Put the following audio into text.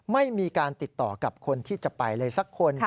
ไม่มีการติดต่อกับคนที่จะไปเลยสักคน